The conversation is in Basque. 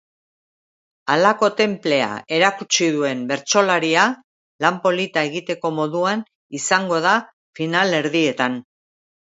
Halako tenplea erakutsi duen bertsolaria lan polita egiteko moduan izango da finalerdietan.